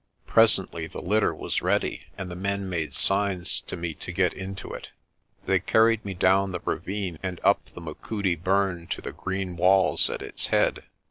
Presently the litter was ready and the men made signs to me to get into it. They carried me down the ravine and up the Machudi burn to the green walls at its head.